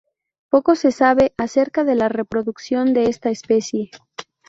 Poco se sabe acerca de la reproducción de esta especie.